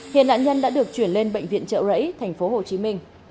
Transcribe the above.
hiện nạn nhân đã được chuyển lên bệnh viện trợ rẫy tp hcm